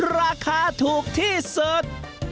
ราคาถูกที่สุด